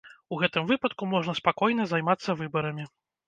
У гэтым выпадку можна спакойна займацца выбарамі.